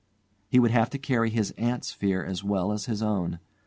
He would have to carry his aunt's fear as well as his own.